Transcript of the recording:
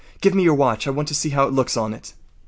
Give me your watch. I want to see how it looks on it.